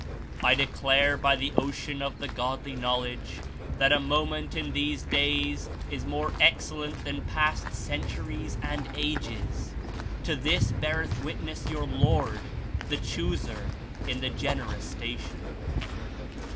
I declare by the Ocean of the Godly Knowledge that a moment in these days is more ex cellent than past centuries and ages: to this beareth witness your Lord, the Chooser, In the Generous Station."